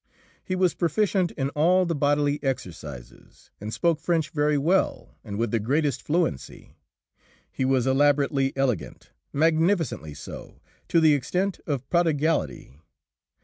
He was proficient in all the bodily exercises, and spoke French very well and with the greatest fluency. He was elaborately elegant magnificently so, to the extent of prodigality.